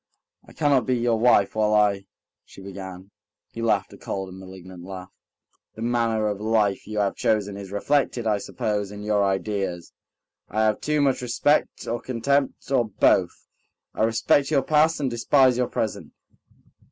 "I cannot be your wife while I...." she began. He laughed a cold and malignant laugh. "The manner of life you have chosen is reflected, I suppose, in your ideas. I have too much respect or contempt, or both ... I respect your past and despise your present